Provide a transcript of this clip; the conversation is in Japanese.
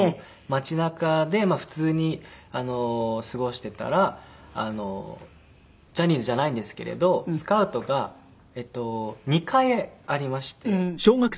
街中で普通に過ごしていたらジャニーズじゃないんですけれどスカウトが２回ありまして。